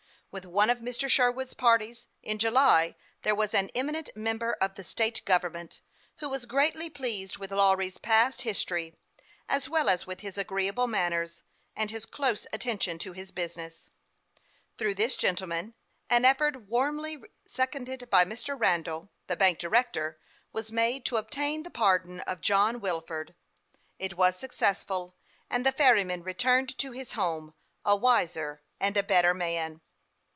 With THE YOUNG PILOT OF LAKE CHAMPLAIN. 309 one of Mr. Sherwood's parties, in July, there was an eminent member of the state government, who was greatly pleased with Lawry's past history, as well as with his agreeable manners, and his close attention to his business. Through this gentleman, an effort, warmly seconded by Mr. Randall, the bank director, was made to obtain the pardon of John Wilford. It was successful, and the ferryman returned to his home a wiser and a better man.